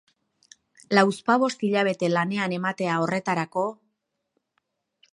Lauzpabost hilabete lanean ematea horretarako...